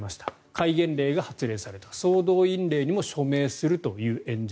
戒厳令が発令された総動員令にも署名するという演説。